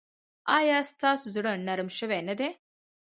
ایا ستاسو زړه نرم شوی نه دی؟